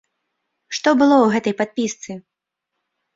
Што было ў гэтай падпісцы?